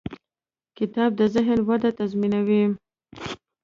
کتاب د ذهن وده تضمینوي.